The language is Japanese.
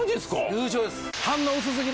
優勝です。